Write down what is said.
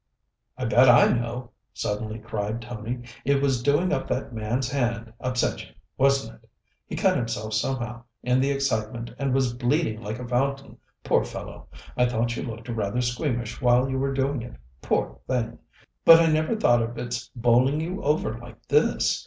"I bet I know!" suddenly cried Tony. "It was doing up that man's hand upset you, wasn't it? He cut himself somehow in the excitement and was bleeding like a fountain, poor fellow! I thought you looked rather squeamish while you were doing it, poor thing! but I never thought of its bowling you over like this.